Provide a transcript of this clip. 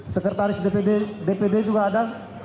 sekretaris dpd juga ada